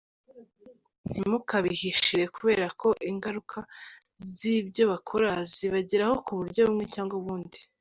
Ntimukabahishire kubera ko ingaruka z’ibyo bakora zibageraho ku buryo bumwe cyangwa ubundi."